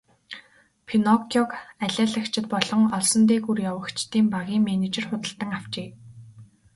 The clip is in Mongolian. Пиноккиог алиалагчид болон олсон дээгүүр явагчдын багийн менежер худалдан авчээ.